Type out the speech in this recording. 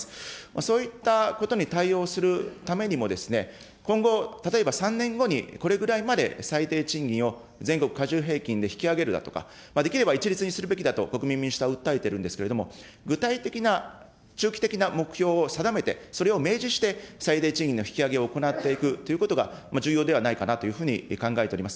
そういったことに対応するためにも、今後、例えば３年後に、これぐらいまで最低賃金を全国かじゅう平均で引き上げるだとか、できれば一律にするべきだと、国民民主党は訴えてるんですけれども、具体的な中期的な目標を定めて、それを明示して、最低賃金の引き上げを行っていくということが重要ではないかなというふうに考えております。